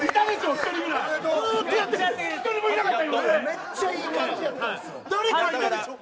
１人もいなかった。